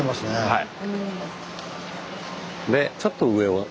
はい。